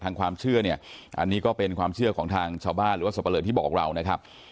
ความเชื่อเนี่ยอันนี้ก็เป็นความเชื่อของทางชาวบ้านหรือว่าสับปะเลอที่บอกเรานะครับ